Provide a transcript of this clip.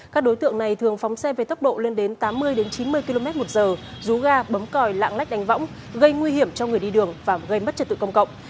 các đối tượng này thường phóng xe về tốc độ lên đến tám mươi chín mươi km một giờ rú ga bấm còi lạng lách đánh võng gây nguy hiểm cho người đi đường và gây mất trật tự công cộng